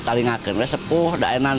tidak ada apa apa